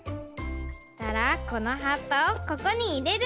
そしたらこのはっぱをここにいれる。